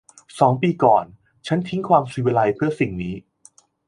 สองปีก่อน ฉันทิ้งความศิวิไลซ์เพื่อสิ่งนี้